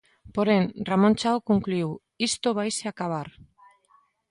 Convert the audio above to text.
Porén, Ramón Chao concluíu: "isto vaise acabar".